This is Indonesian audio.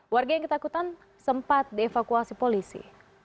warga yang ketakutan sempat dievakuasi polisi